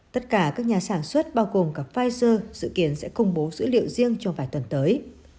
tất cả các nhà sản xuất bao gồm cả pfizer dự kiến sẽ công bố dữ liệu riêng trong vài tuần tới